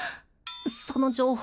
その情報